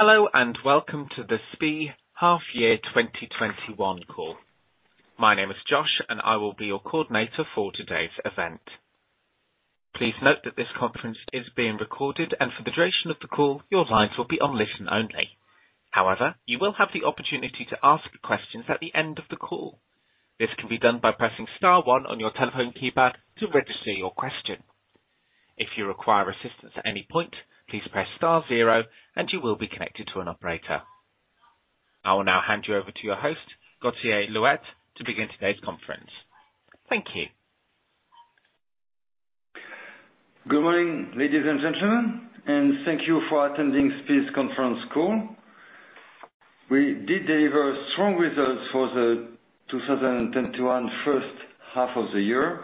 Hello, and welcome to the SPIE half year 2021 call. My name is Josh, and I will be your coordinator for today's event. Please note that this conference is being recorded, and for the duration of the call, your lines will be on listen only. However, you will have the opportunity to ask questions at the end of the call. This can be done by pressing star one on your telephone keypad to register your question. If you require assistance at any point, please press star zero and you will be connected to an operator. I will now hand you over to your host, Gauthier Louette, to begin today's conference. Thank you. Good morning, ladies and gentlemen, thank you for attending SPIE's conference call. We did deliver strong results for the 2021 first half of the year.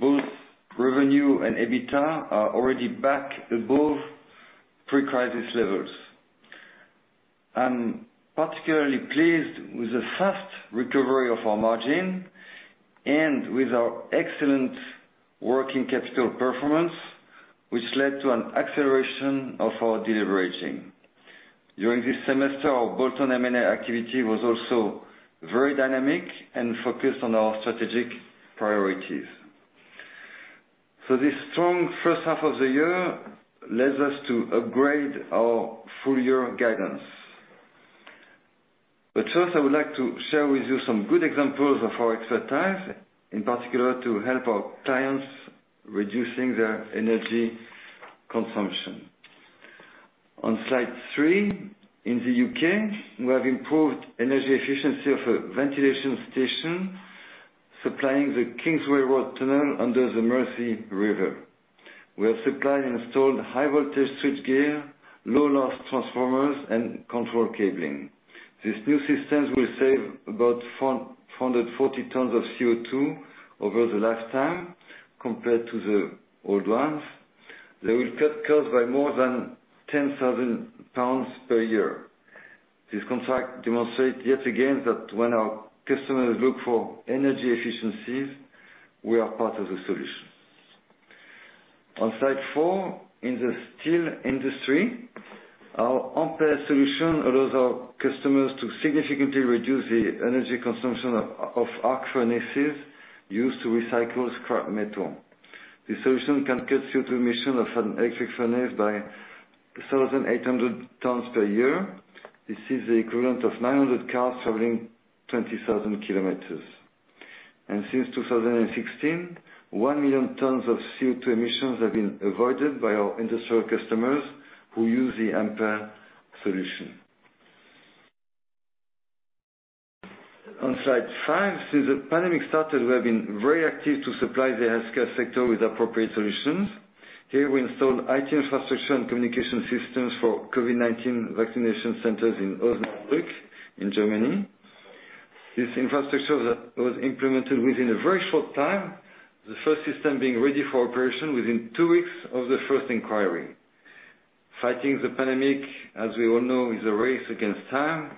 Both revenue and EBITDA are already back above pre-crisis levels. I'm particularly pleased with the fast recovery of our margin and with our excellent working capital performance, which led to an acceleration of our deleveraging. During this semester, our bolt-on M&A activity was also very dynamic and focused on our strategic priorities. This strong first half of the year leads us to upgrade our full-year guidance. First, I would like to share with you some good examples of our expertise, in particular, to help our clients reducing their energy consumption. On slide three, in the U.K., we have improved energy efficiency of a ventilation station supplying the Kingsway Road tunnel under the Mersey River. We have supplied and installed high-voltage switchgear, low loss transformers, and control cabling. These new systems will save about 440 tons of CO2 over the lifetime compared to the old ones. They will cut costs by more than 10,000 pounds per year. This contract demonstrates yet again that when our customers look for energy efficiencies, we are part of the solution. On slide four, in the steel industry, our AMPERE solution allows our customers to significantly reduce the energy consumption of arc furnaces used to recycle scrap metal. This solution can cut CO2 emission of an electric furnace by 1,800 tons per year. This is the equivalent of 900 cars traveling 20,000 km. Since 2016, 1 million tons of CO2 emissions have been avoided by our industrial customers who use the AMPERE solution. On slide five, since the pandemic started, we have been very active to supply the healthcare sector with appropriate solutions. Here we installed IT infrastructure and communication systems for COVID-19 vaccination centers in Osnabrück in Germany. This infrastructure that was implemented within a very short time, the first system being ready for operation within two weeks of the first inquiry. Fighting the pandemic, as we all know, is a race against time,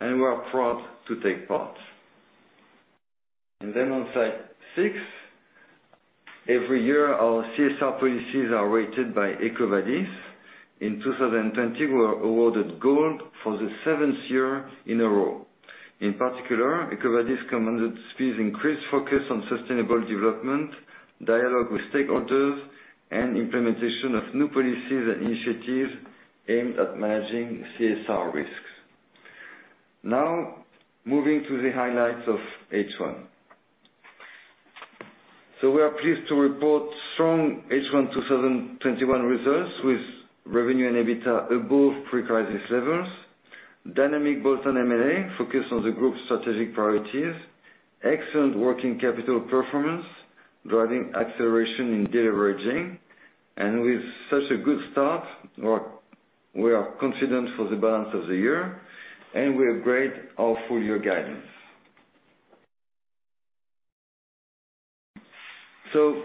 and we are proud to take part. On slide six, every year our CSR policies are rated by EcoVadis. In 2020, we were awarded gold for the seventh year in a row. In particular, EcoVadis commended SPIE's increased focus on sustainable development, dialogue with stakeholders, and implementation of new policies and initiatives aimed at managing CSR risks. Now, moving to the highlights of H1. We are pleased to report strong H1 2021 results with revenue and EBITDA above pre-crisis levels. Dynamic bolt-on M&A focused on the group's strategic priorities, excellent working capital performance, driving acceleration in deleveraging, and with such a good start, we are confident for the balance of the year, and we upgrade our full-year guidance.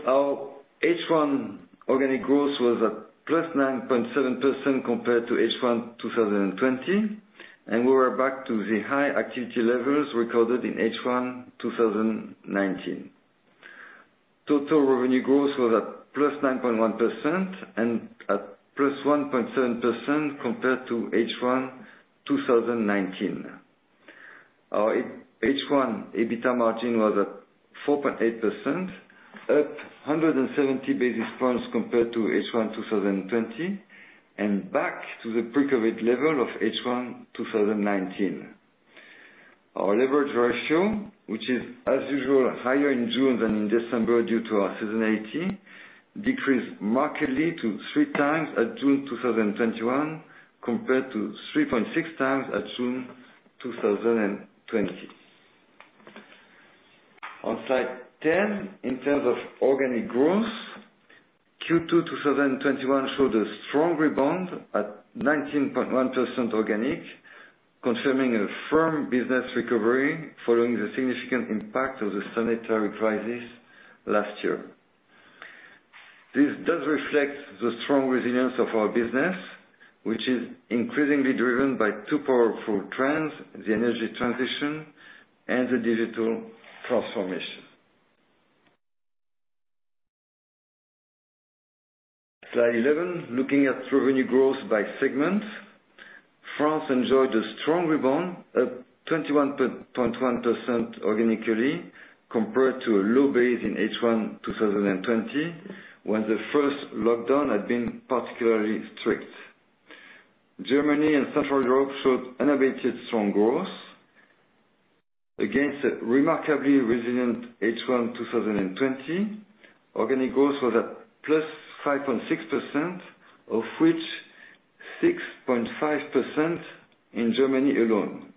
Our H1 organic growth was at +9.7% compared to H1 2020, and we were back to the high activity levels recorded in H1 2019. Total revenue growth was at +9.1% and at +1.7% compared to H1 2019. Our H1 EBITDA margin was at 4.8%, up 170 basis points compared to H1 2020 and back to the pre-COVID-19 level of H1 2019. Our leverage ratio, which is as usual higher in June than in December due to our seasonality, decreased markedly to 3x at June 2021 compared to 3.6x at June 2020. On slide 10, in terms of organic growth, Q2 2021 showed a strong rebound at 19.1% organic, confirming a firm business recovery following the significant impact of the sanitary crisis last year. This does reflect the strong resilience of our business, which is increasingly driven by two powerful trends, the energy transition and the digital transformation. Slide 11, looking at revenue growth by segment. France enjoyed a strong rebound, up 21.1% organically compared to a low base in H1 2020, when the first lockdown had been particularly strict. Germany and Central Europe showed unabated strong growth against a remarkably resilient H1 2020. Organic growth was at plus 5.6%, of which 6.5% in Germany alone.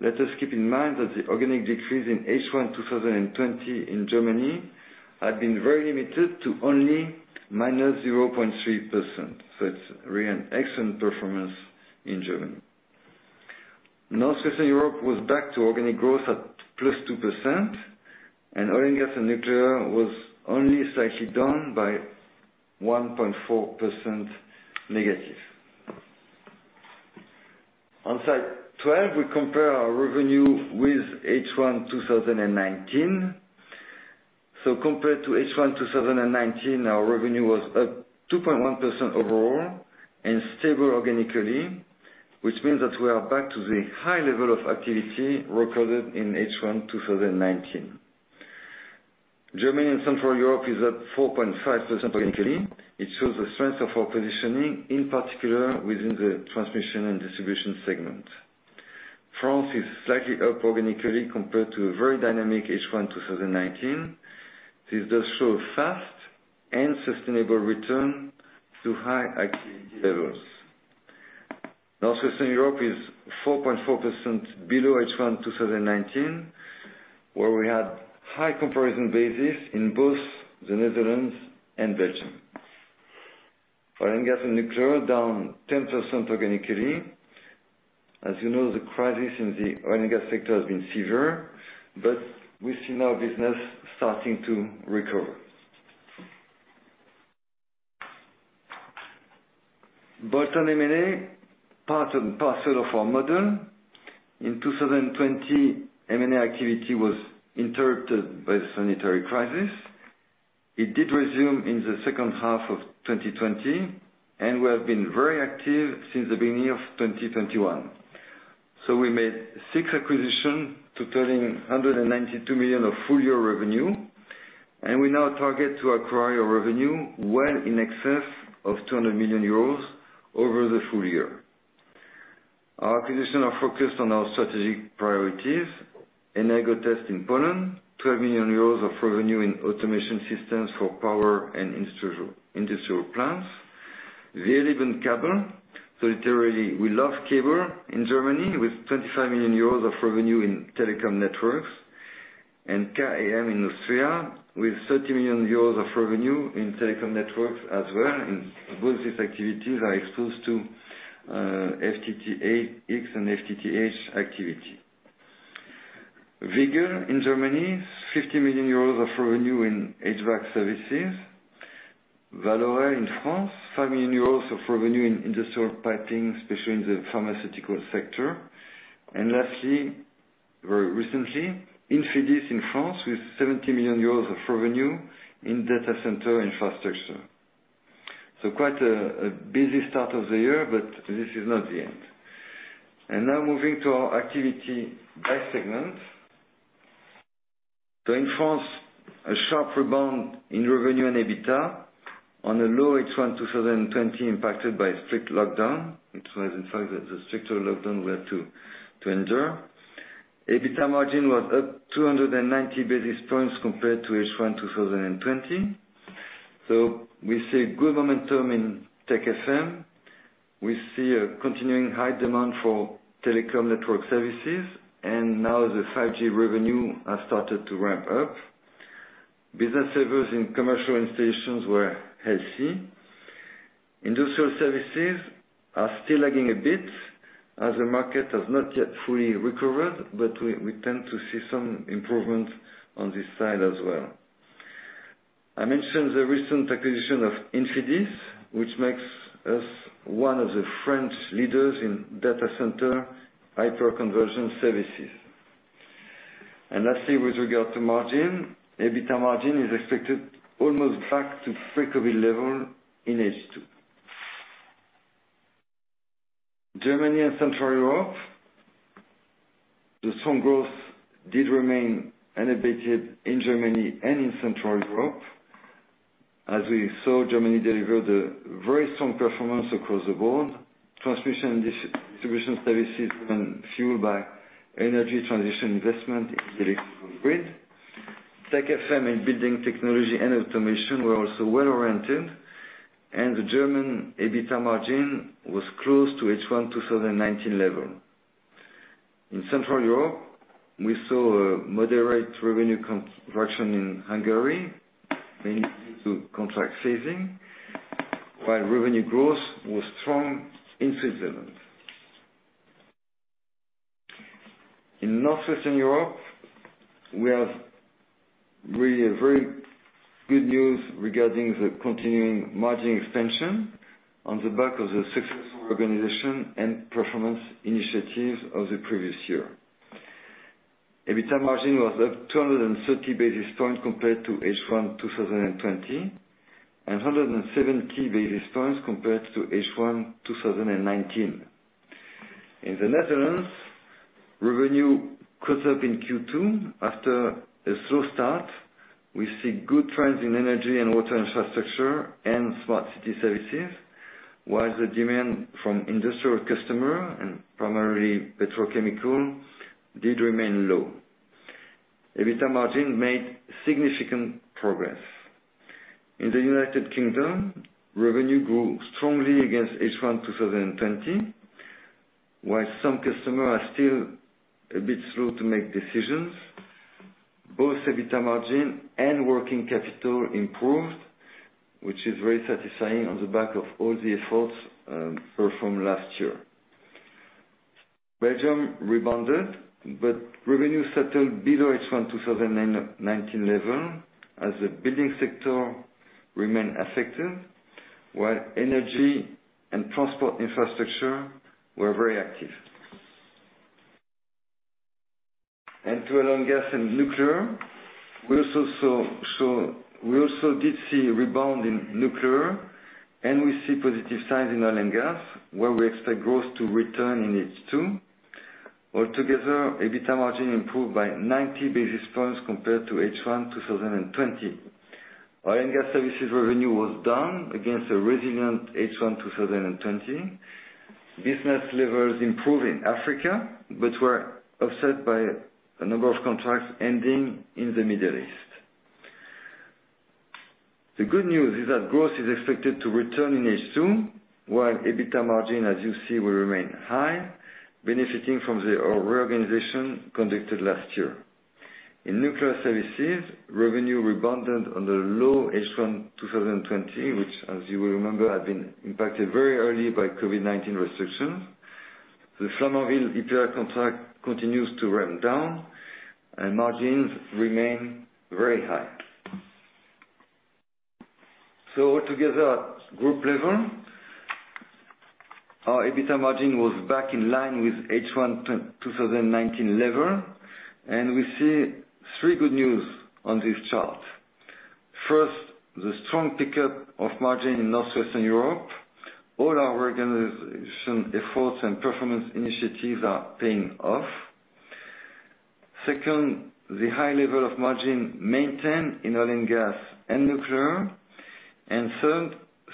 Let us keep in mind that the organic decrease in H1 2020 in Germany had been very limited to only minus 0.3%, so it's really an excellent performance in Germany. Northwestern Europe was back to organic growth at plus 2%, and oil and gas and nuclear was only slightly down by -1.4%. On slide 12, we compare our revenue with H1 2019. Compared to H1 2019, our revenue was up 2.1% overall and stable organically, which means that we are back to the high level of activity recorded in H1 2019. Germany and Central Europe is at 4.5% organically. It shows the strength of our positioning, in particular within the transmission and distribution segment. France is slightly up organically compared to a very dynamic H1 2019. This does show a fast and sustainable return to high activity levels. Northwestern Europe is 4.4% below H1 2019, where we had high comparison basis in both the Netherlands and Belgium. Oil and gas and nuclear down 10% organically. As you know, the crisis in the oil and gas sector has been severe, but we've seen our business starting to recover. bolt-on M&A, part and parcel of our model. In 2020, M&A activity was interrupted by the sanitary crisis. It did resume in the second half of 2020, and we have been very active since the beginning of 2021. We made six acquisitions totaling 192 million of full-year revenue, and we now target to acquire a revenue well in excess of 200 million euros over the full year. Our acquisitions are focused on our strategic priorities. Energotest in Poland, 12 million euros of revenue in automation systems for power and industrial plants. WirliebenKabel, literally we love cable in Germany with 25 million euros of revenue in telecom networks. KEM in Austria with 30 million euros of revenue in telecom networks as well, and both these activities are exposed to FTTX and FTTH activity. Wiegel in Germany, 50 million euros of revenue in HVAC services. Valorel in France, 5 million euros of revenue in industrial piping, especially in the pharmaceutical sector. Lastly, very recently, Infidis in France with 70 million euros of revenue in data center infrastructure. Quite a busy start of the year, but this is not the end. Now moving to our activity by segment. In France, a sharp rebound in revenue and EBITDA on a low H1 2020 impacted by strict lockdown, which was in fact the stricter lockdown we had to endure. EBITDA margin was up 290 basis points compared to H1 2020. We see good momentum in Tech FM. We see a continuing high demand for telecom network services, and now the 5G revenue has started to ramp up. Business service and commercial installations were healthy. Industrial services are still lagging a bit as the market has not yet fully recovered. We tend to see some improvement on this side as well. I mentioned the recent acquisition of Infidis, which makes us one of the French leaders in data center hyperconvergence services. Lastly, with regard to margin, EBITDA margin is expected almost back to pre-COVID level in H2. Germany and Central Europe. The strong growth did remain unabated in Germany and in Central Europe. As we saw, Germany delivered a very strong performance across the board. Transmission and distribution services were fueled by energy transition investment in the electrical grid. Tech FM and building technology and automation were also well-oriented. The German EBITDA margin was close to H1 2019 level. In Central Europe, we saw a moderate revenue contraction in Hungary, mainly due to contract phasing, while revenue growth was strong in Switzerland. In Northwestern Europe, we have really very good news regarding the continuing margin expansion on the back of the successful organization and performance initiatives of the previous year. EBITA margin was up 230 basis points compared to H1 2020, and 170 basis points compared to H1 2019. In the Netherlands, revenue caught up in Q2. After a slow start, we see good trends in energy and water infrastructure and smart city services, while the demand from industrial customer, and primarily petrochemical, did remain low. EBITDA margin made significant progress. In the U.K., revenue grew strongly against H1 2020, while some customer are still a bit slow to make decisions. Both EBITDA margin and working capital improved, which is very satisfying on the back of all the efforts performed last year. Belgium rebounded, but revenue settled below H1 2019 level, as the building sector remained affected, while energy and transport infrastructure were very active. To oil and gas and nuclear, we also did see a rebound in nuclear, and we see positive signs in oil and gas, where we expect growth to return in H2. Altogether, EBITDA margin improved by 90 basis points compared to H1 2020. Oil and gas services revenue was down against a resilient H1 2020. Business levels improved in Africa but were offset by a number of contracts ending in the Middle East. The good news is that growth is expected to return in H2, while EBITDA margin, as you see, will remain high, benefiting from the reorganization conducted last year. In nuclear services, revenue rebounded on the low H1 2020, which, as you will remember, had been impacted very early by COVID-19 restrictions. The Flamanville EPR contract continues to ramp down, and margins remain very high. Altogether, at group level, our EBITDA margin was back in line with H1 2019 level, and we see three good news on this chart. First, the strong pickup of margin in Northwestern Europe. All our organization efforts and performance initiatives are paying off. Second, the high level of margin maintained in oil and gas and nuclear.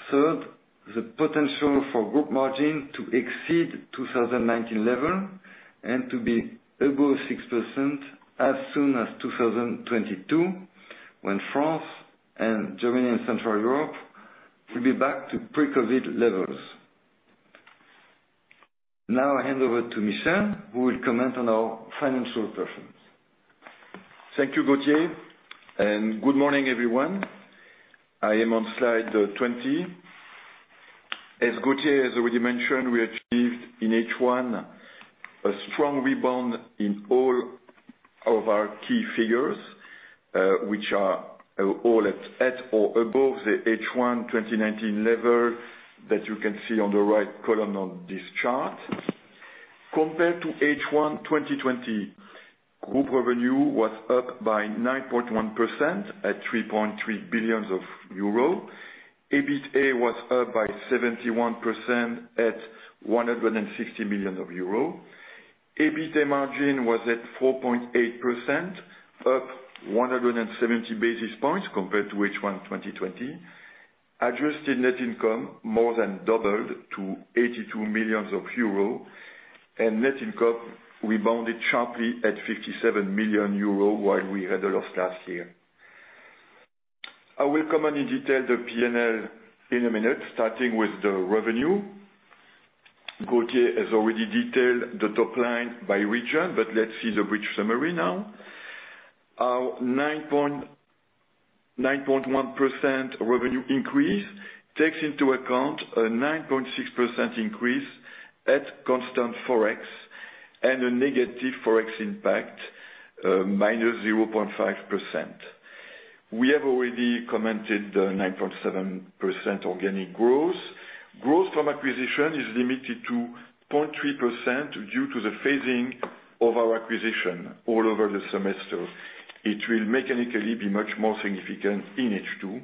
Third, the potential for group margin to exceed 2019 level and to be above 6% as soon as 2022, when France and Germany and Central Europe will be back to pre-COVID-19 levels. Now I hand over to Michel, who will comment on our financial performance. Thank you, Gauthier, and good morning, everyone. I am on slide 20. As Gauthier has already mentioned, we achieved in H1 a strong rebound in all of our key figures, which are all at or above the H1 2019 level that you can see on the right column on this chart. Compared to H1 2020, group revenue was up by 9.1% at 3.3 billion euro. EBITA was up by 71% at 160 million euro. EBITDA margin was at 4.8%, up 170 basis points compared to H1 2020. Adjusted net income more than doubled to 82 million euro, and net income rebounded sharply at 57 million euro, while we had a loss last year. I will come on in detail the P&L in a minute, starting with the revenue. Gauthier has already detailed the top line by region, but let's see the brief summary now. Our 9.1% revenue increase takes into account a 9.6% increase at constant Forex and a negative Forex impact, -0.5%. We have already commented the 9.7% organic growth. Growth from acquisition is limited to 0.3% due to the phasing of our acquisition all over the semester. It will mechanically be much more significant in H2.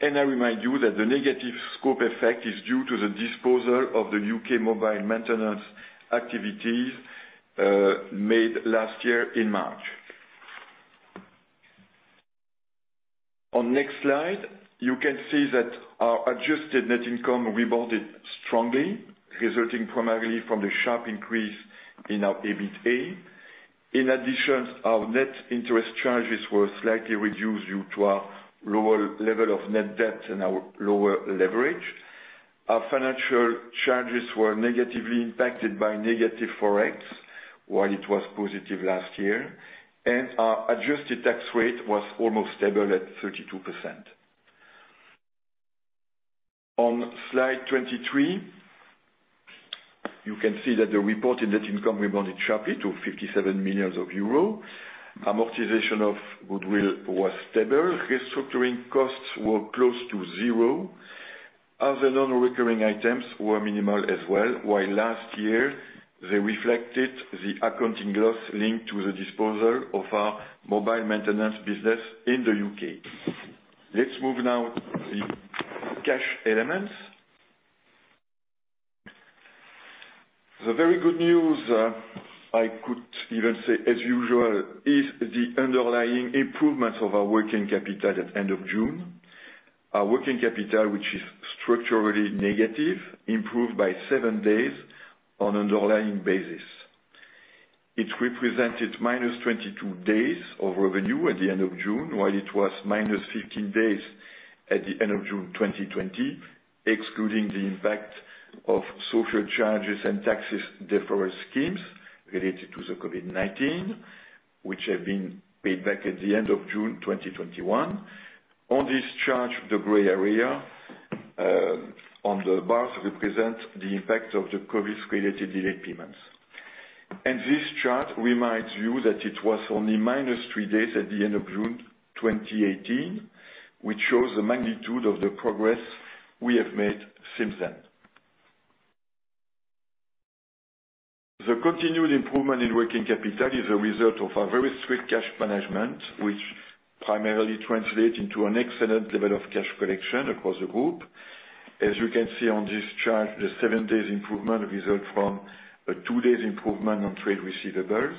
I remind you that the negative scope effect is due to the disposal of the U.K. mobile maintenance activities made last year in March. On next slide, you can see that our adjusted net income rebounded strongly, resulting primarily from the sharp increase in our EBITA. In addition, our net interest charges were slightly reduced due to our lower level of net debt and our lower leverage. Our financial charges were negatively impacted by negative Forex, while it was positive last year. Our adjusted tax rate was almost stable at 32%. On slide 23, you can see that the reported net income rebounded sharply to 57 million euro. Amortization of goodwill was stable. Restructuring costs were close to zero. Other non-recurring items were minimal as well, while last year they reflected the accounting loss linked to the disposal of our mobile maintenance business in the U.K. Let's move now to the cash elements. The very good news, I could even say as usual, is the underlying improvement of our working capital at end of June. Our working capital, which is structurally negative, improved by seven days on an underlying basis. It represented -22 days of revenue at the end of June, while it was -15 days at the end of June 2020, excluding the impact of social charges and taxes deferral schemes related to the COVID-19, which have been paid back at the end of June 2021. On this chart, the gray area on the bars represents the impact of the COVID-related delayed payments. This chart reminds you that it was only -3 days at the end of June 2018, which shows the magnitude of the progress we have made since then. The continued improvement in working capital is a result of our very strict cash management, which primarily translates into an excellent level of cash collection across the group. As you can see on this chart, the seven days improvement result from a two days improvement on trade receivables,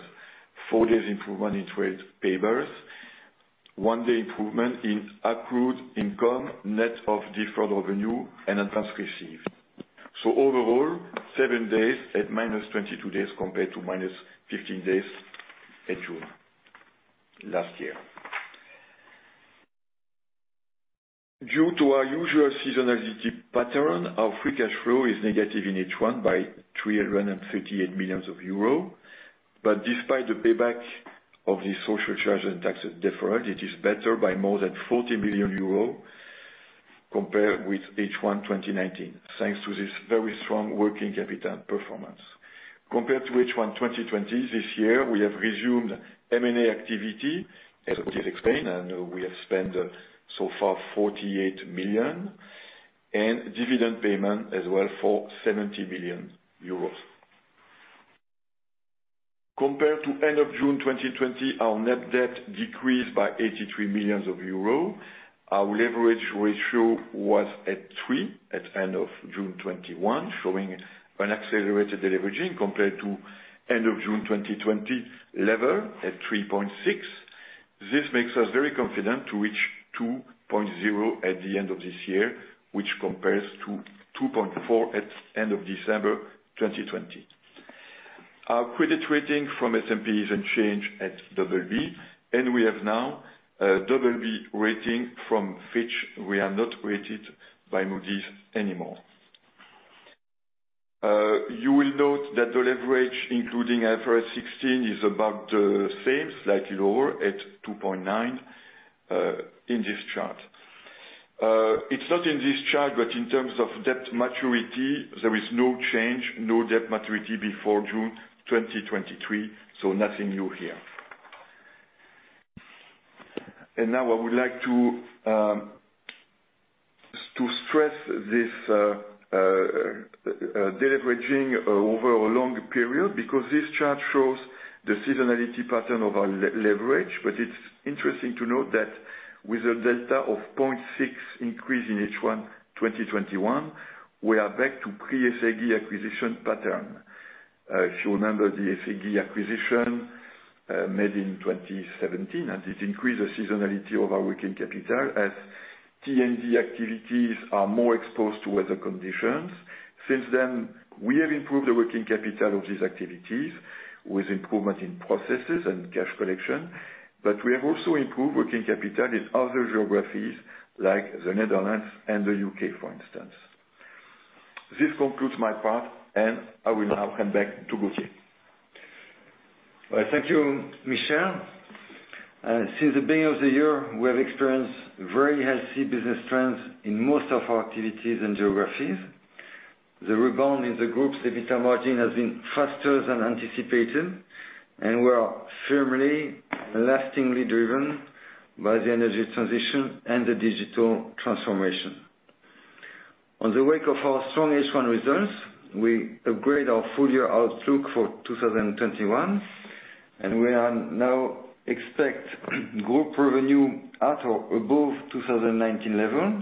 four days improvement in trade payables, one day improvement in accrued income net of deferred revenue and advances received. Overall, seven days at -22 days compared to -15 days at June last year. Due to our usual seasonality pattern, our free cash flow is negative in H1 by 338 million euros. Despite the payback of the social charge and taxes deferred, it is better by more than 40 million euros compared with H1 2019, thanks to this very strong working capital performance. Compared to H1 2020, this year, we have resumed M&A activity as of this point, and we have spent so far 48 million, and dividend payment as well for 70 million euros. Compared to end of June 2020, our net debt decreased by 83 million euros. Our leverage ratio was at 3x at end of June 2021, showing an accelerated deleveraging compared to end of June 2020 level at 3.6x. This makes us very confident to reach 2.0 at the end of this year, which compares to 2.4x at end of December 2020. Our credit rating from S&P is unchanged at BB, and we have now a BB rating from Fitch. We are not rated by Moody's anymore. You will note that the leverage, including IFRS 16, is about the same, slightly lower at 2.9x, in this chart. It's not in this chart, but in terms of debt maturity, there is no change, no debt maturity before June 2023, so nothing new here. Now I would like to stress this deleveraging over a long period because this chart shows the seasonality pattern of our leverage. It's interesting to note that with a delta of 0.6x increase in H1 2021, we are back to pre-SAG acquisition pattern. If you remember the SAG acquisition made in 2017, and it increased the seasonality of our working capital as T&D activities are more exposed to weather conditions. Since then, we have improved the working capital of these activities with improvement in processes and cash collection, but we have also improved working capital in other geographies like the Netherlands and the U.K., for instance. This concludes my part, and I will now come back to Gauthier. Thank you, Michel. Since the beginning of the year, we have experienced very healthy business trends in most of our activities and geographies. The rebound in the group's EBITDA margin has been faster than anticipated, and we are firmly lastingly driven by the energy transition and the digital transformation. On the wake of our strong H1 results, we upgrade our full-year outlook for 2021, and we now expect group revenue at or above 2019 level,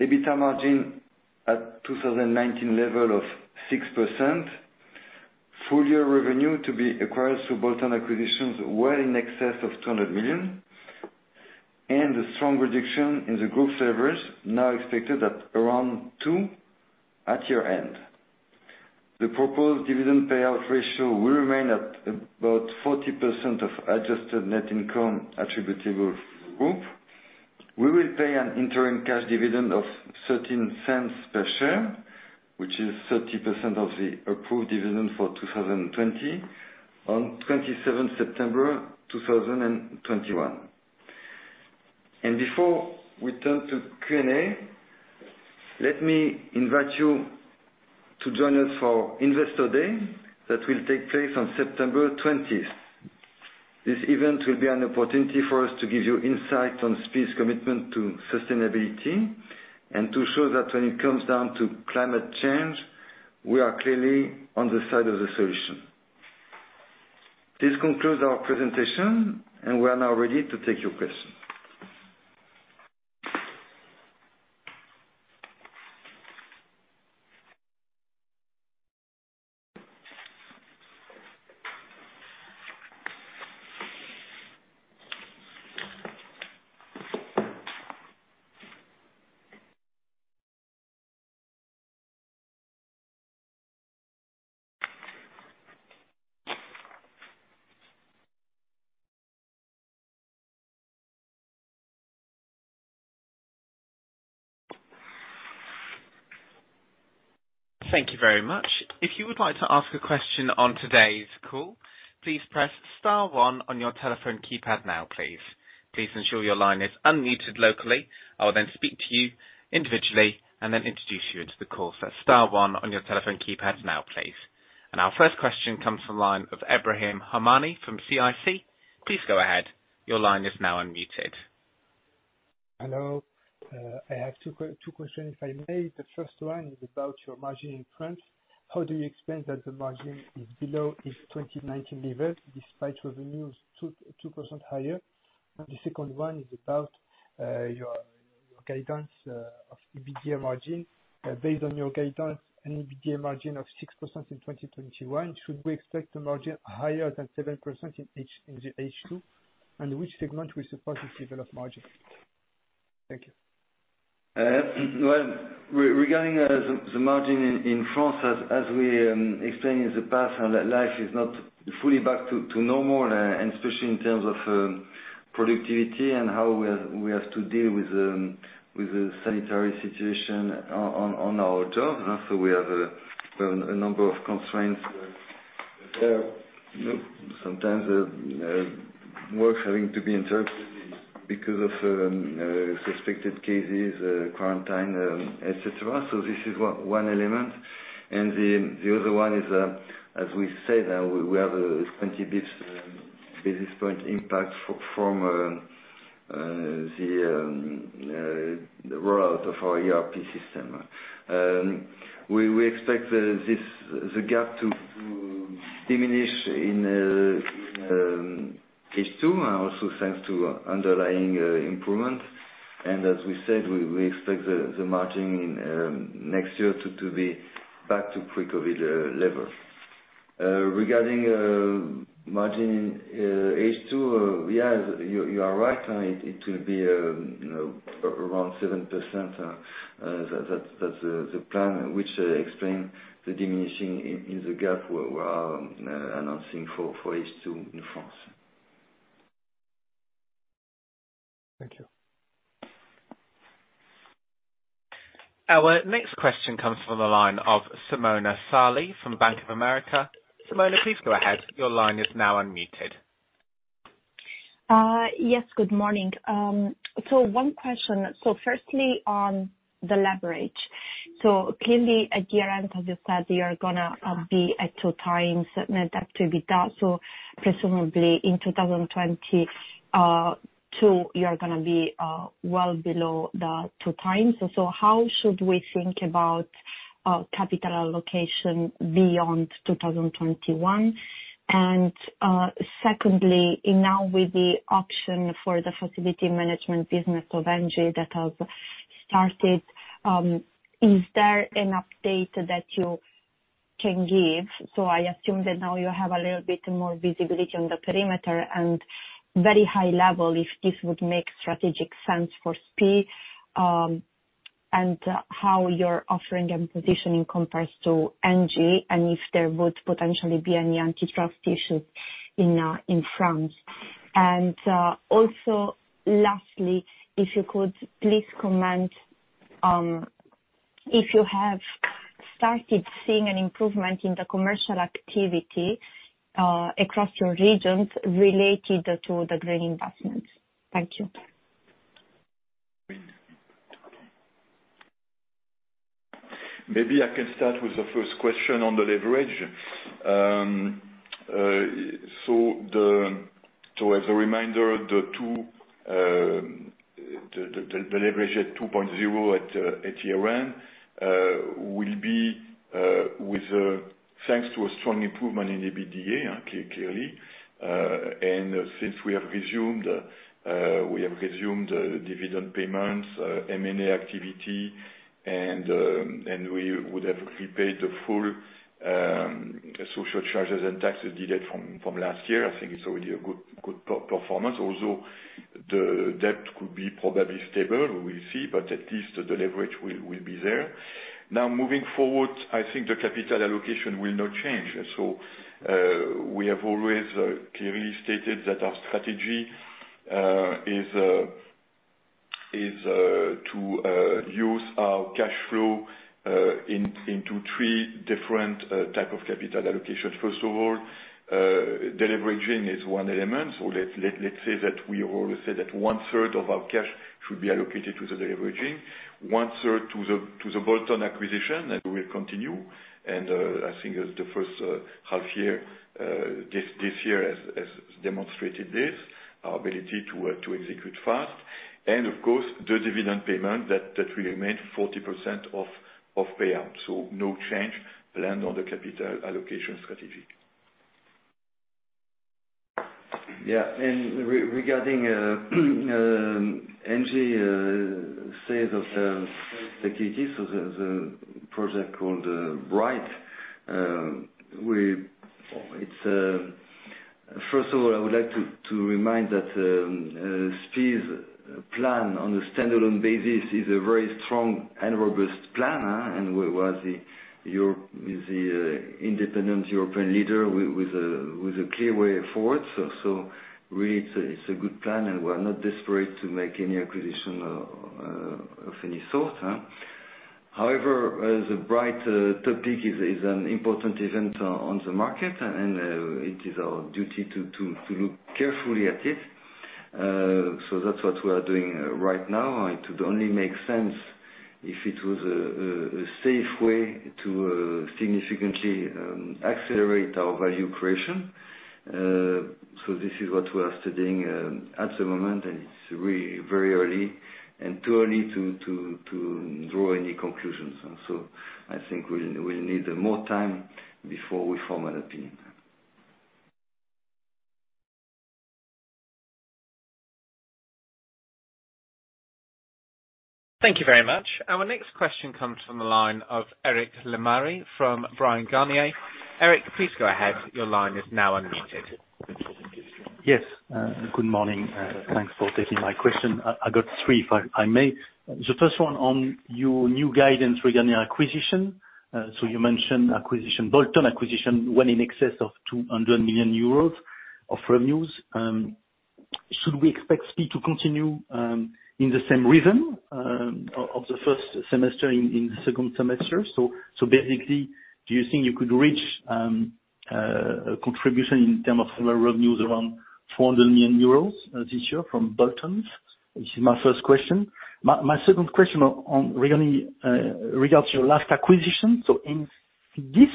EBITDA margin at 2019 level of 6%, full-year revenue to be acquired through bolt-on acquisitions well in excess of 200 million, and a strong reduction in the group leverage, now expected at around 2x at year-end. The proposed dividend payout ratio will remain at about 40% of adjusted net income attributable to group. We will pay an interim cash dividend of 0.13 per share, which is 30% of the approved dividend for 2020, on September 27, 2021. Before we turn to Q&A, let me invite you to join us for Investor Day that will take place on September 20. This event will be an opportunity for us to give you insight on SPIE's commitment to sustainability, and to show that when it comes down to climate change, we are clearly on the side of the solution. This concludes our presentation. We are now ready to take your questions. Thank you very much. If you would like to ask a question on today's call, please press star one on your telephone keypad now, please. Please ensure your line is unmuted locally. I will then speak to you individually and then introduce you into the call. Star one on your telephone keypad now, please. Our first question comes from the line of Ebrahim Homani from CIC. Please go ahead. Your line is now unmuted. Hello. I have two questions, if I may. The first one is about your margin in France. How do you explain that the margin is below its 2019 level, despite revenues 2% higher? The second one is about your guidance of EBITDA margin. Based on your guidance and EBITDA margin of 6% in 2021, should we expect the margin higher than 7% in the H2? Which segment we suppose will develop margin? Thank you. Well, regarding the margin in France, as we explained in the past, life is not fully back to normal, especially in terms of productivity and how we have to deal with the sanitary situation on our job. Also we have a number of constraints there. Sometimes work having to be interrupted because of suspected cases, quarantine, et cetera. This is one element. The other one is, as we say, now we have a 20 basis point impact from the rollout of our ERP system. We expect the gap to diminish in H2 also, thanks to underlying improvement. As we said, we expect the margin next year to be back to pre-COVID level. Regarding margin in H2, yes, you are right. It will be around 7%. That's the plan which explain the diminishing in the gap we are announcing for H2 in France. Thank you. Our next question comes from the line of Simona Sarli from Bank of America. Simona, please go ahead. Yes, good morning. One question. Firstly, on the leverage. Clearly at year-end, as you said, you are going to be at 2x net debt to EBITDA. Presumably in 2022, you are going to be well below the 2x. How should we think about capital allocation beyond 2021? Secondly, now with the option for the facility management business of ENGIE that have started, is there an update that you can give? I assume that now you have a little bit more visibility on the perimeter and very high level, if this would make strategic sense for SPIE, and how you're offering and positioning compares to ENGIE, and if there would potentially be any antitrust issues in France. Also lastly, if you could please comment on if you have started seeing an improvement in the commercial activity across your regions related to the green investments. Thank you. Maybe I can start with the first question on the leverage. As a reminder, the leverage at 2.0x at year-end will be thanks to a strong improvement in EBITDA, clearly. Since we have resumed dividend payments, M&A activity, and we would have repaid the full social charges and taxes debt from last year. I think it's already a good performance. Although the debt could be probably stable, we will see, but at least the leverage will be there. Moving forward, I think the capital allocation will not change. We have always clearly stated that our strategy is to use our cash flow into three different type of capital allocation. First of all, deleveraging is one element. Let's say that we always say that 1/3 of our cash should be allocated to the deleveraging, 1/3 to the bolt-on acquisition, and we'll continue. I think the first half-year, this year has demonstrated this: our ability to execute fast. Of course, the dividend payment that will remain 40% of payout. No change planned on the capital allocation strategy. Regarding ENGIE sales of the securities, the project called Bright. First of all, I would like to remind that SPIE's plan on the standalone basis is a very strong and robust plan, and was the independent European leader with a clear way forward. Really it's a good plan, and we're not desperate to make any acquisition of any sort. However, the Bright topic is an important event on the market, and it is our duty to look carefully at it. That's what we are doing right now. It would only make sense if it was a safe way to significantly accelerate our value creation. This is what we are studying at the moment, and it's very early and too early to draw any conclusions. I think we'll need more time before we form an opinion. Thank you very much. Our next question comes from the line of Eric Lemarié from Bryan, Garnier. Eric, please go ahead. Yes. Good morning. Thanks for taking my question. I got three, if I may. The first one on your new guidance regarding acquisition. You mentioned bolt-on acquisition when in excess of 200 million euros of revenues. Should we expect SPIE to continue, in the same rhythm of the first semester in the second semester? Do you think you could reach contribution in term of several revenues around 400 million euros this year from bolt-on? This is my first question. My second question regards your last acquisition. In this,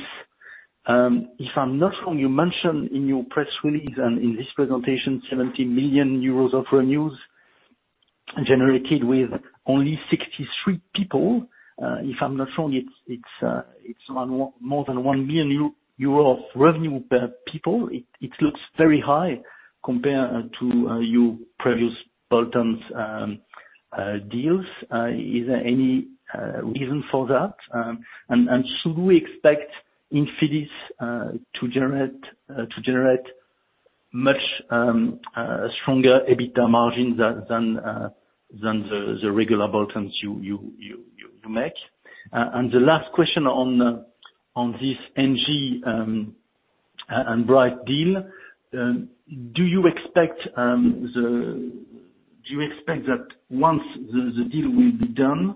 if I'm not wrong, you mentioned in your press release and in this presentation, 70 million euros of revenues generated with only 63 people. If I'm not wrong, it's more than 1 million euro of revenue per people. It looks very high compared to your previous bolt-on deals. Is there any reason for that? Should we expect Infidis to generate much stronger EBITDA margins than the regular bolt-ons you make? The last question on this ENGIE and Bright deal, do you expect that once the deal will be done,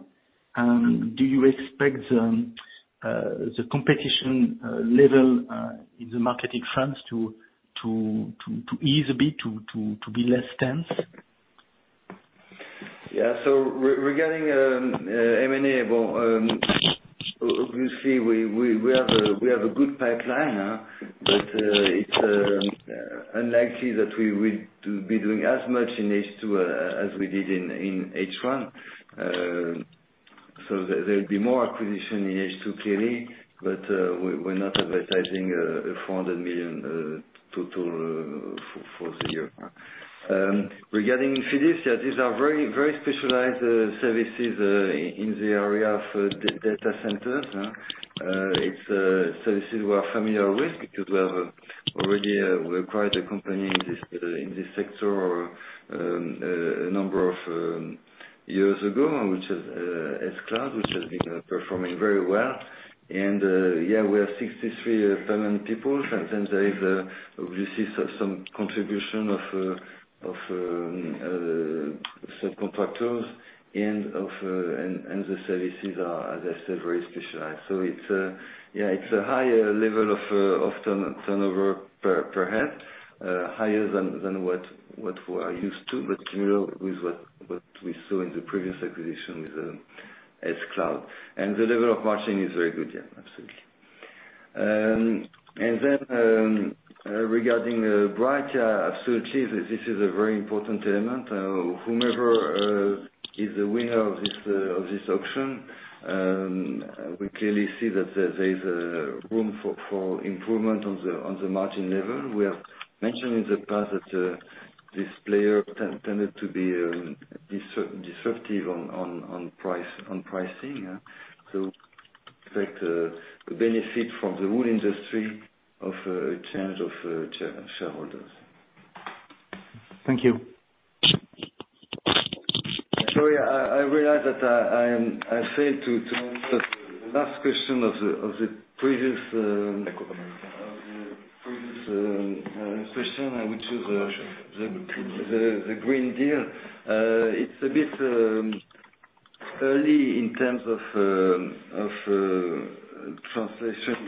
do you expect the competition level in the market in France to ease a bit to be less tense? Yeah. Regarding M&A, well, obviously we have a good pipeline, but it's unlikely that we will be doing as much in H2 as we did in H1. There'll be more acquisition in H2, clearly, but we're not advertising 400 million total for the year. Regarding Infidis. Yeah. These are very, very specialized services in the area of data centers. It's services we're familiar with because we acquired a company in this sector a number of years ago, which is S-Cube, which has been performing very well. Yeah, we have 63 permanent people. Sometimes there is, obviously, some contribution of subcontractors and the services are, as I said, very specialized. It's a higher level of turnover per head, higher than what we are used to, but similar with what we saw in the previous acquisition with S-Cube. The level of margin is very good. Yeah, absolutely. Regarding Bright, absolutely, this is a very important element. Whomever, is the winner of this auction, we clearly see that there's room for improvement on the margin level. We have mentioned in the past that, this player tended to be disruptive on pricing. Expect a benefit from the whole industry of a change of shareholders. Thank you. Sorry. I realized that I failed to answer the last question of the previous. For this question, I would choose the Green Deal. It's a bit early in terms of translation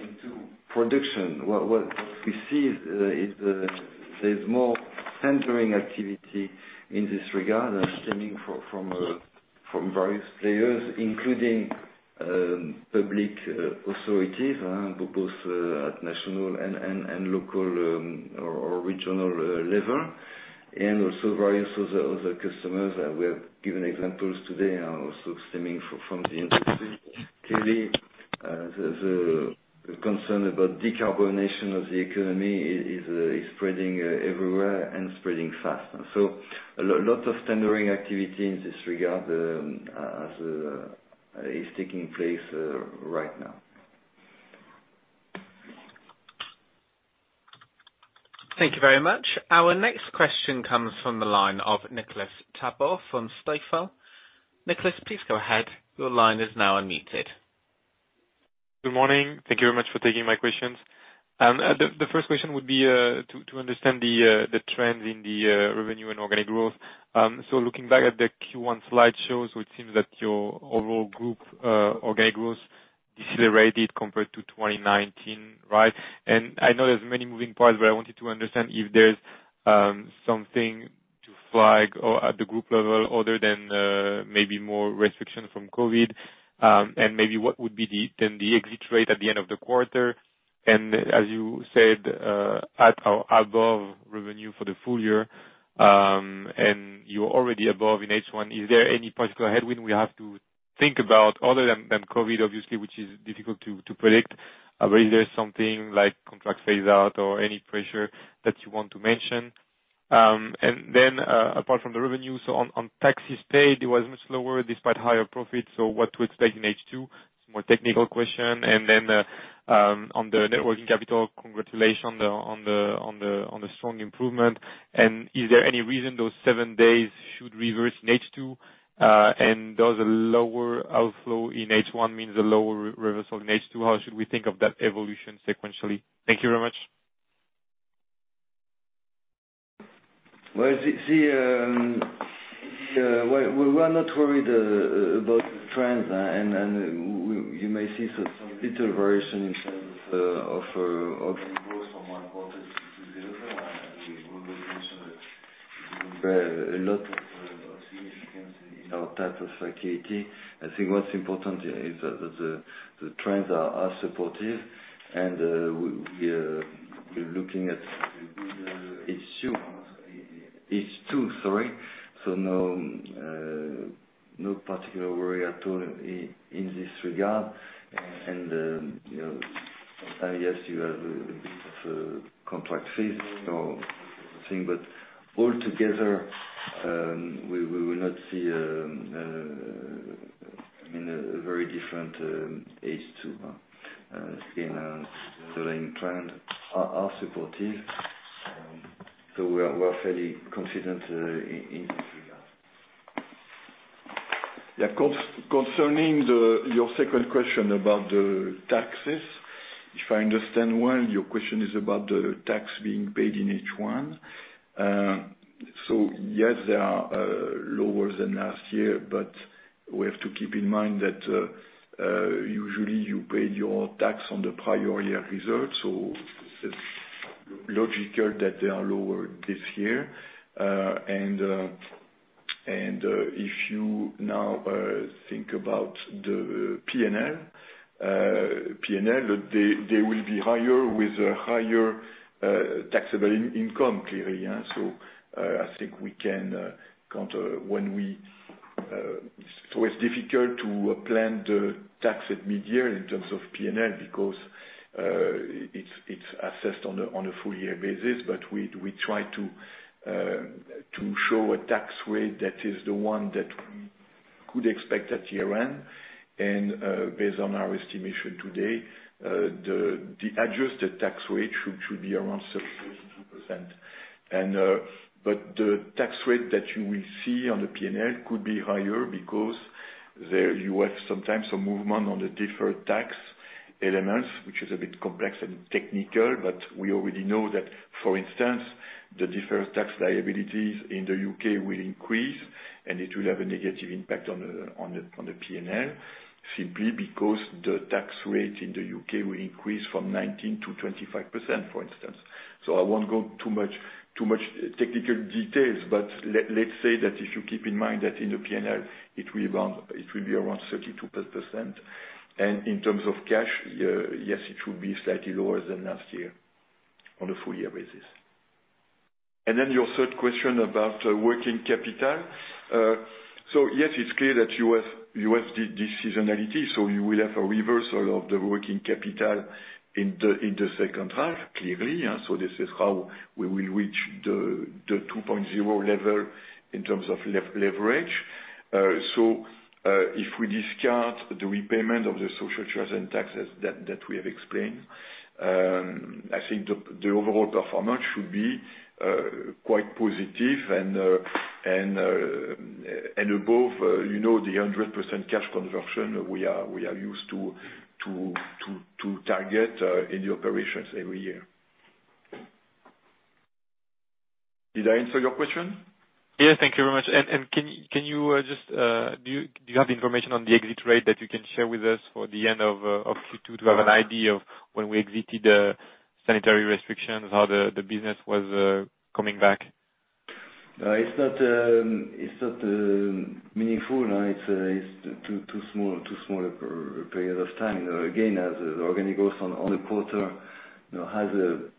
into production. What we see is there's more tendering activity in this regard, stemming from various players, including public authorities, both at national and local or regional level, and also various other customers. We have given examples today, also stemming from the industry. Clearly, the concern about decarbonization of the economy is spreading everywhere and spreading fast. A lot of tendering activity in this regard is taking place right now. Thank you very much. Our next question comes from the line of Nicolas Tabor from Stifel. Nicolas, please go ahead. Good morning. Thank you very much for taking my questions. The first question would be to understand the trends in the revenue and organic growth. Looking back at the Q1 slideshow, it seems that your overall group organic growth decelerated compared to 2019, right? I know there's many moving parts, but I wanted to understand if there's something to flag or at the group level, other than maybe more restriction from COVID, and maybe what would be then the exit rate at the end of the quarter. As you said, at or above revenue for the full year, and you're already above in H1. Is there any particular headwind we have to think about other than COVID, obviously, which is difficult to predict. Is there something like contract phase-out or any pressure that you want to mention? Then, apart from the revenue, on taxes paid, it was much lower despite higher profits. What to expect in H2? It's a more technical question. Then, on the net working capital, congratulations on the strong improvement. Is there any reason those seven days should reverse in H2? Does a lower outflow in H1 mean the lower reversal in H2? How should we think of that evolution sequentially? Thank you very much. Well, we are not worried about the trends, and you may see some little variation in terms of growth from one quarter to the other. We will mention that a lot of significance in our type of activity. I think what's important here is that the trends are supportive and we're looking at H2. No particular worry at all in this regard. Yes, you have a bit of a contract phase or thing, but all together, we will not see a very different H2. Again, underlying trends are supportive, so we're fairly confident in this regard. Yeah. Concerning your second question about the taxes, if I understand well, your question is about the tax being paid in H1. Yes, they are lower than last year, but we have to keep in mind that, usually you pay your tax on the prior year results, so it's logical that they are lower this year. If you now think about the P&L, they will be higher with a higher taxable income, clearly. It's difficult to plan the tax at mid-year in terms of P&L because, it's assessed on a full year basis. We try to show a tax rate that is the one that we could expect at year-end. Based on our estimation today, the adjusted tax rate should be around 32%. The tax rate that you will see on the P&L could be higher because you have sometimes a movement on the deferred tax elements, which is a bit complex and technical, but we already know that, for instance, the deferred tax liabilities in the U.K. will increase, and it will have a negative impact on the P&L, simply because the tax rate in the U.K. will increase from 19%-25%, for instance. I won't go too much technical details, but let's say that if you keep in mind that in the P&L, it will be around 32%. In terms of cash, yes, it will be slightly lower than last year on a full year basis. Then your third question about working capital. Yes, it's clear that you have this seasonality, so you will have a reversal of the working capital in the second half, clearly. This is how we will reach the 2.0x level in terms of leverage. If we discard the repayment of the social charges and taxes that we have explained. The overall performance should be quite positive and above the 100% cash conversion we are used to target in the operations every year. Did I answer your question? Yes, thank you very much. Do you have information on the exit rate that you can share with us for the end of Q2, to have an idea of when we exited the sanitary restrictions, how the business was coming back? No, it's not meaningful. It's too small a period of time. Again, as organic growth on the quarter, has,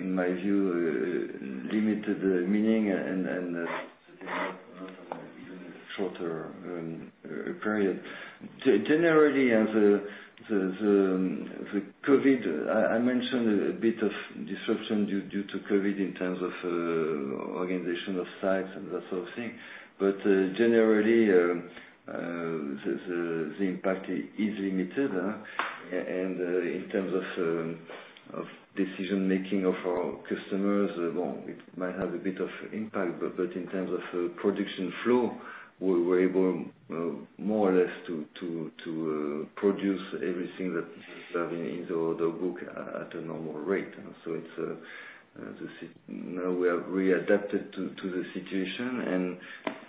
in my view, limited meaning and even shorter period. Generally, the COVID, I mentioned a bit of disruption due to COVID in terms of organization of sites and that sort of thing. Generally, the impact is limited. In terms of decision making of our customers, it might have a bit of impact, but in terms of production flow, we were able, more or less, to produce everything that is in the order book at a normal rate. Now we have readapted to the situation and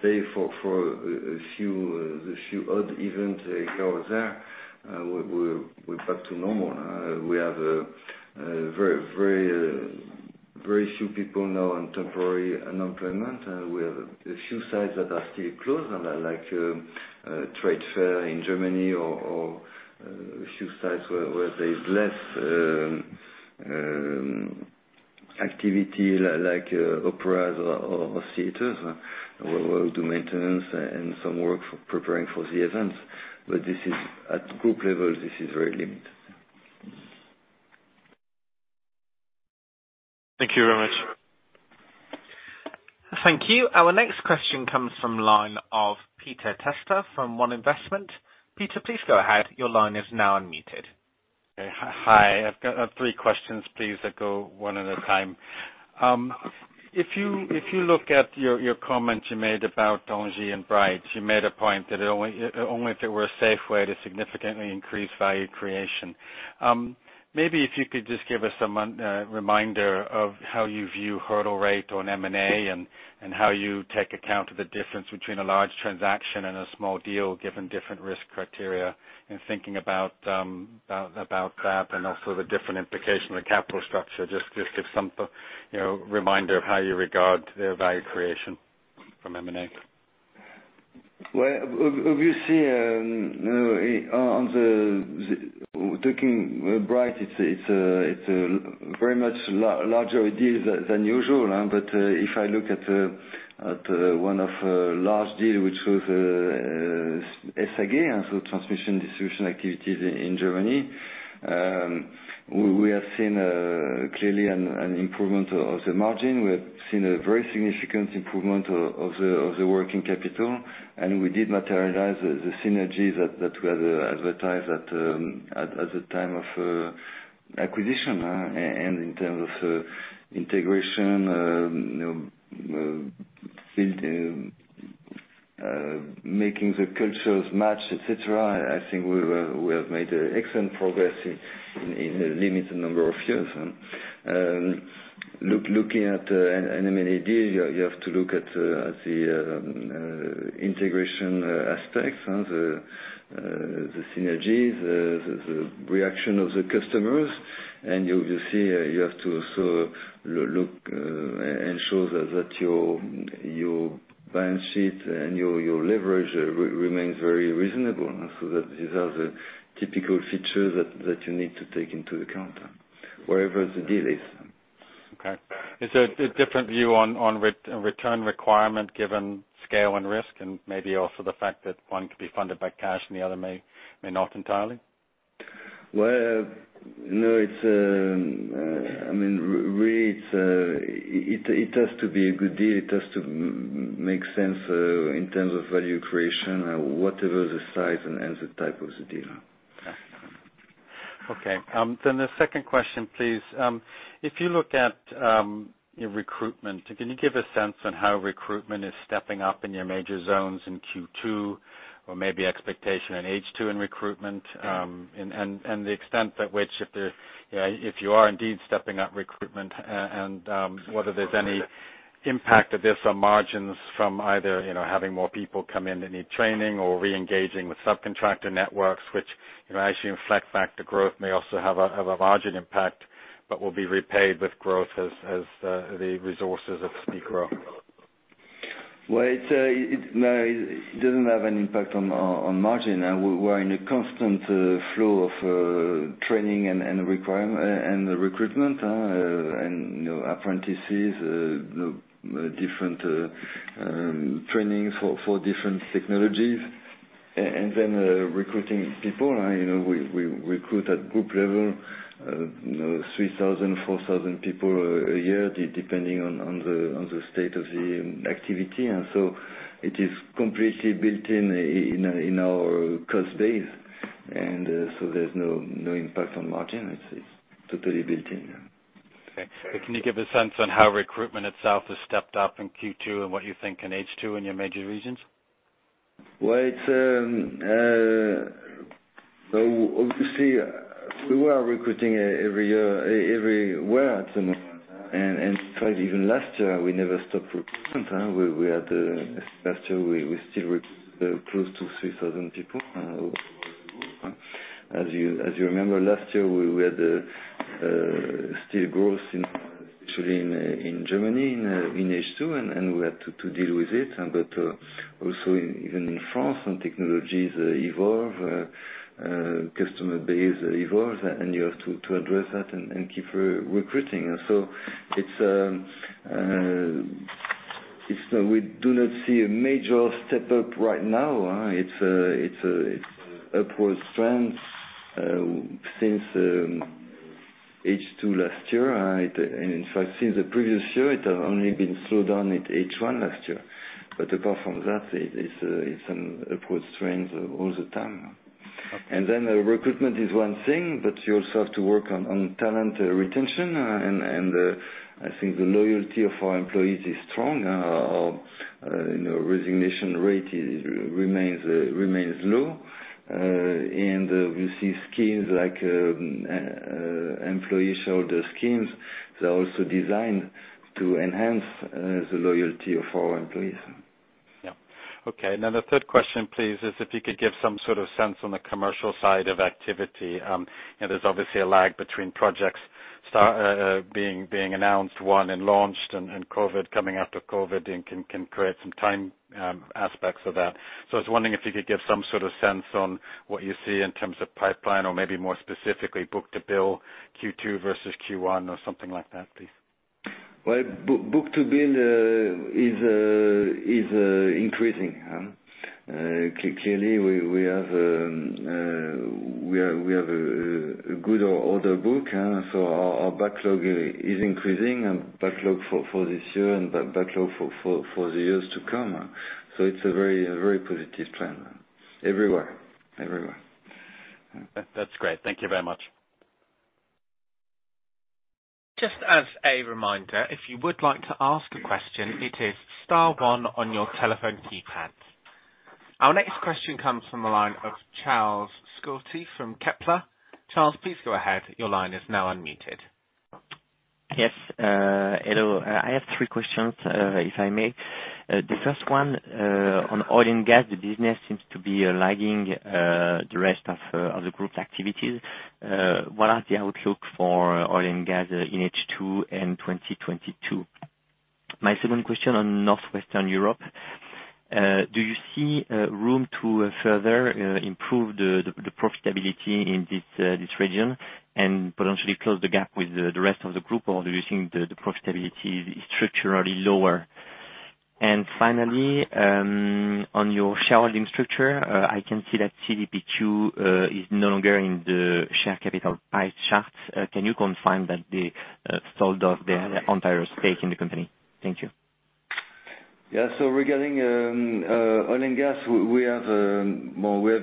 save for a few odd events go there, we're back to normal. We have very few people now on temporary unemployment. We have a few sites that are still closed, like trade fair in Germany or a few sites where there's less activity, like operas or theaters, where we do maintenance and some work preparing for the events. At group level, this is very limited. Thank you very much. Thank you. Our next question comes from line of Peter Testa from One Investments. Peter, please go ahead. Okay. Hi. I've got three questions, please, that go one at a time. If you look at your comments you made about ENGIE and Bright, you made a point that only if there were a safe way to significantly increase value creation. Maybe if you could just give us a reminder of how you view hurdle rate on M&A and how you take account of the difference between a large transaction and a small deal, given different risk criteria and thinking about that and also the different implication of the capital structure. Just give some reminder of how you regard their value creation from M&A. Obviously, talking Bright, it's a very much larger deal than usual. If I look at one of large deal, which was SAG, transmission distribution activities in Germany, we have seen clearly an improvement of the margin. We have seen a very significant improvement of the working capital, we did materialize the synergies that we had advertised at the time of acquisition. In terms of integration, making the cultures match, et cetera, I think we have made excellent progress in a limited number of years. Looking at an M&A deal, you have to look at the integration aspect, the synergies, the reaction of the customers. You see you have to also look and show that your balance sheet and your leverage remains very reasonable, these are the typical features that you need to take into account, wherever the deal is. Okay. Is there a different view on return requirement given scale and risk, and maybe also the fact that one could be funded by cash and the other may not entirely? Well, no. It has to be a good deal. It has to make sense in terms of value creation, whatever the size and the type of the deal. Okay. The second question, please. If you look at your recruitment, can you give a sense on how recruitment is stepping up in your major zones in Q2 or maybe expectation in H2 in recruitment, and the extent that which if you are indeed stepping up recruitment and whether there's any impact of this on margins from either having more people come in that need training or reengaging with subcontractor networks, which actually in fact the growth may also have a margin impact, but will be repaid with growth as the resources of SPIE grow. Well, it doesn't have an impact on margin. We're in a constant flow of training and recruitment and apprentices, different training for different technologies, and then recruiting people. We recruit at group level, 3,000, 4,000 people a year, depending on the state of the activity. It is completely built in our cost base. There's no impact on margin. It's totally built in. Thanks. Can you give a sense on how recruitment itself has stepped up in Q2 and what you think in H2 in your major regions? Well, obviously, we were recruiting every year, everywhere at the moment. In fact, even last year, we never stopped recruiting. Last year, we still recruited close to 3,000 people. As you remember, last year, we had steady growth, actually, in Germany in H2, and we had to deal with it. Also, even in France, some technologies evolve, customer base evolves, and you have to address that and keep recruiting. We do not see a major step up right now. It's upward strength since H2 last year. In fact, since the previous year, it has only been slowed down at H1 last year. Apart from that, it's an upward trend all the time. Okay. Recruitment is one thing, but you also have to work on talent retention, and I think the loyalty of our employees is strong. Our resignation rate remains low. We see schemes like employee shareholder schemes, they're also designed to enhance the loyalty of our employees. Yeah. Okay. The third question, please, is if you could give some sort of sense on the commercial side of activity. There's obviously a lag between projects being announced, one, and launched, and coming out of COVID-19 can create some time aspects of that. I was wondering if you could give some sort of sense on what you see in terms of pipeline or maybe more specifically book-to-bill Q2 versus Q1 or something like that, please. Well, book-to-bill is increasing. Clearly, we have a good order book. Our backlog is increasing, and backlog for this year and backlog for the years to come. It's a very positive trend everywhere. That's great. Thank you very much. Just as a reminder, if you would like to ask a question, it is star one on your telephone keypad. Our next question comes from the line of Charles Scotti from Kepler. Charles, please go ahead. Yes. Hello. I have three questions, if I may. The first one, on oil and gas, the business seems to be lagging the rest of the group's activities. What are the outlook for oil and gas in H2 and 2022? My second question on Northwestern Europe, do you see room to further improve the profitability in this region and potentially close the gap with the rest of the group, or do you think the profitability is structurally lower? Finally, on your shareholding structure, I can see that CDPQ is no longer in the share capital pie chart. Can you confirm that they sold off their entire stake in the company? Thank you. Regarding oil and gas, we have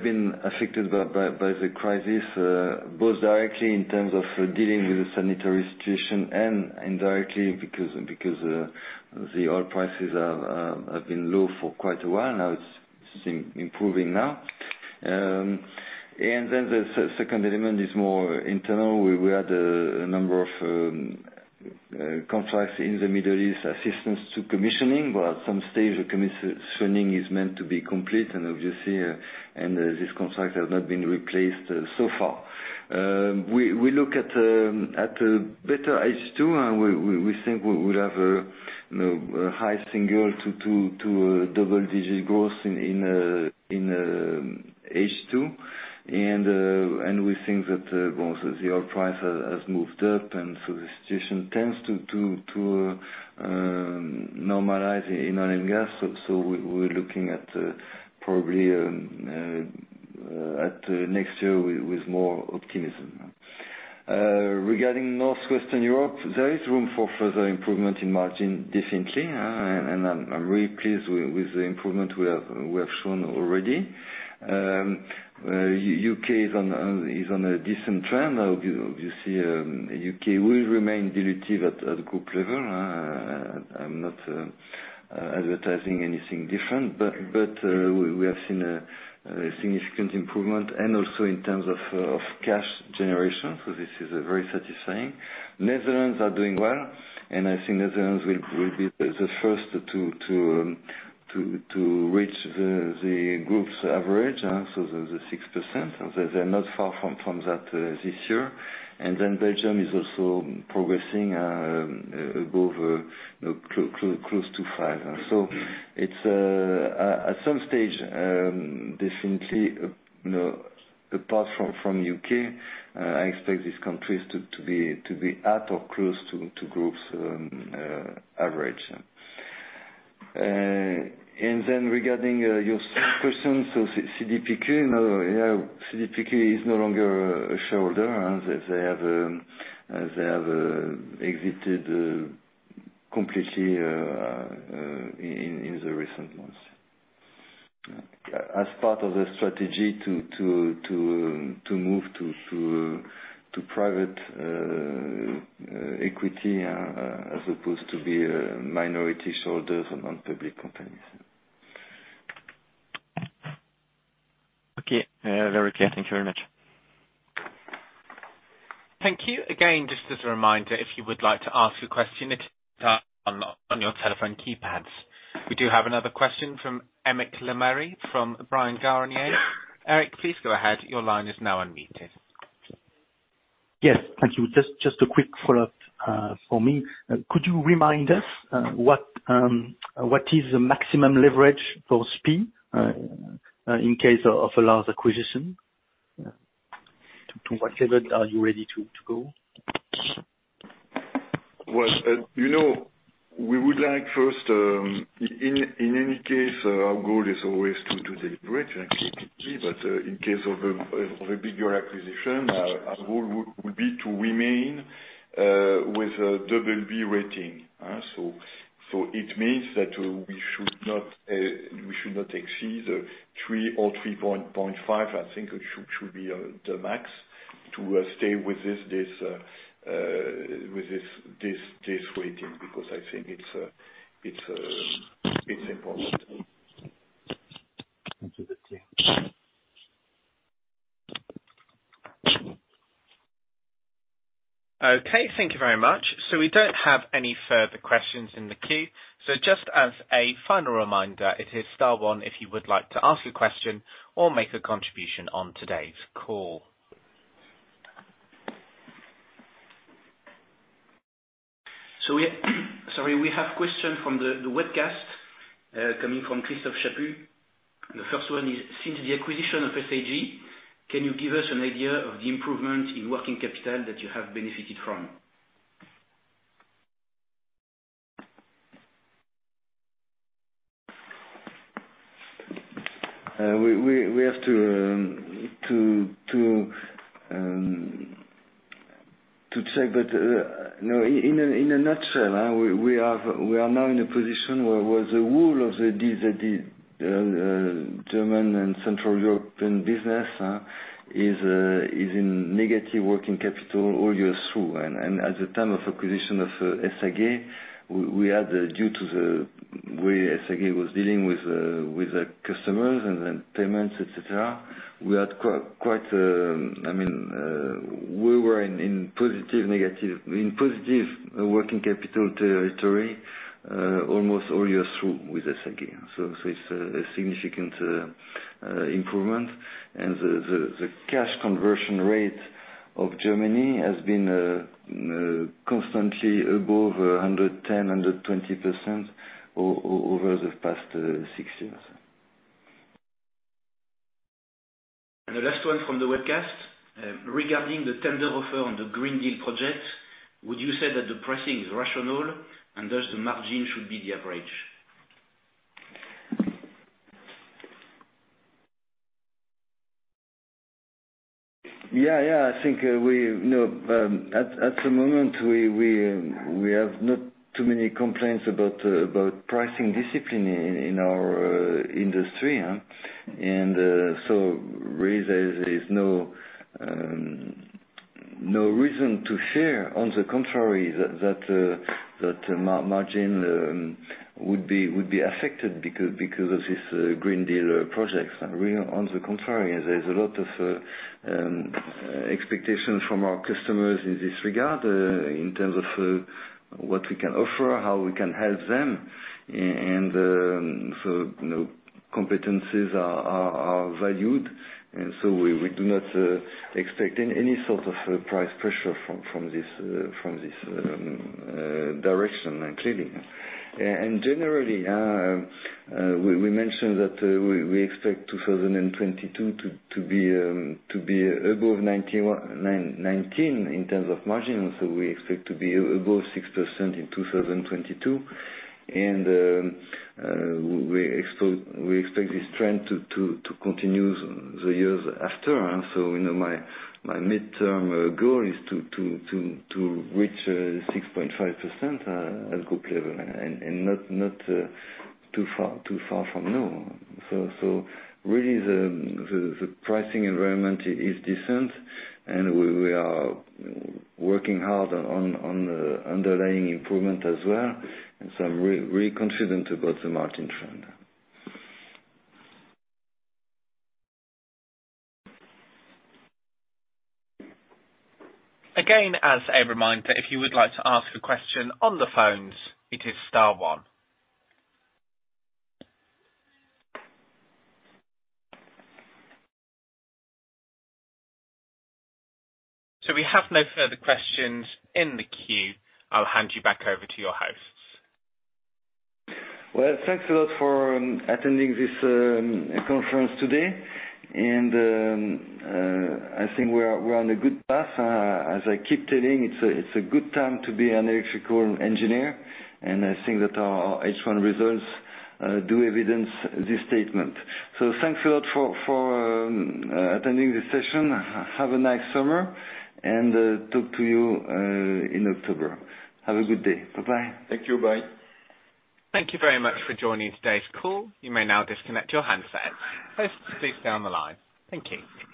been affected by the crisis, both directly in terms of dealing with the sanitary situation and indirectly because the oil prices have been low for quite a while now. It's improving now. The second element is more internal. We had a number of contracts in the Middle East, assistance to commissioning, at some stage, the commissioning is meant to be complete, obviously, this contract has not been replaced so far. We look at a better H2, we think we'll have high single to double-digit growth in H2. We think that the oil price has moved up, the situation tends to normalize in oil and gas. We're looking at probably at next year with more optimism. Regarding Northwestern Europe, there is room for further improvement in margin, definitely. I'm really pleased with the improvement we have shown already. U.K. is on a decent trend. Obviously, U.K. will remain dilutive at the group level. I'm not advertising anything different, but we have seen a significant improvement and also in terms of cash generation. This is very satisfying. Netherlands are doing well, and I think Netherlands will be the first to reach the group's average, so the 6%. They're not far from that this year. Belgium is also progressing above close to 5%. At some stage, definitely, apart from U.K., I expect these countries to be at or close to group's average. Regarding your second question, CDPQ is no longer a shareholder, as they have exited completely in the recent months. As part of the strategy to move to private equity, as opposed to be minority shareholders on non-public companies. Okay. Very clear. Thank you very much. Thank you. Again, just as a reminder, if you would like to ask a question, hit star 1. We do have another question from Eric Lemarié, from Bryan, Garnier & Co. Eric, please go ahead. Yes, thank you. Just a quick follow-up for me. Could you remind us what is the maximum leverage for SPIE in case of a large acquisition? To what level are you ready to go? We would like first, in any case, our goal is always to deliberate. In case of a bigger acquisition, our goal would be to remain with a BB rating. It means that we should not exceed a 3 or 3.5, I think should be the max to stay with this rating, because I think it's important. Thank you. That's clear. Okay. Thank you very much. We don't have any further questions in the queue. Just as a final reminder, it is star one if you would like to ask a question or make a contribution on today's call. We have question from the webcast, coming from Christophe Chaput. The first one is: Since the acquisition of SAG, can you give us an idea of the improvement in working capital that you have benefited from? We have to check. In a nutshell, we are now in a position where the rule of the German and Central European business is in negative working capital all year through. At the time of acquisition of SAG, we had, due to the way SAG was dealing with the customers and payments, et cetera, we were in positive working capital territory almost all year through with SAG. It's a significant improvement. The cash conversion rate of Germany has been constantly above 110%-120% over the past six years. The last one from the webcast. Regarding the tender offer on the Green Deal project, would you say that the pricing is rational and thus the margin should be the average? Yeah. I think at the moment, we have not too many complaints about pricing discipline in our industry. Really, there's no reason to share, on the contrary, that margin would be affected because of this Green Deal projects. On the contrary, there's a lot of expectation from our customers in this regard, in terms of what we can offer, how we can help them. Competencies are valued, we do not expect any sort of price pressure from this direction, clearly. Generally, we mentioned that we expect 2022 to be above 2019 in terms of margins. We expect to be above 6% in 2022. We expect this trend to continue the years after. My midterm goal is to reach 6.5% at group level and not too far from now. Really, the pricing environment is decent, and we are working hard on the underlying improvement as well. I'm really confident about the margin trend. Again, as a reminder, if you would like to ask a question on the phones, it is star one. We have no further questions in the queue. I'll hand you back over to your hosts. Well, thanks a lot for attending this conference today. I think we're on a good path. As I keep telling, it's a good time to be an electrical engineer. I think that our H1 results do evidence this statement. Thanks a lot for attending this session. Have a nice summer. Talk to you in October. Have a good day. Bye-bye. Thank you. Bye. Thank you very much for joining today's call. You may now disconnect your handsets. Hosts, please stay on the line. Thank you.